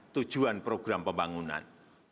tujuan program pembangunan